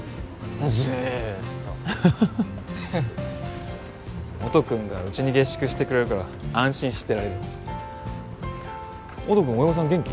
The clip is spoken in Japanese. ずーっと音くんがうちに下宿してくれるから安心してられる音くん親御さん元気？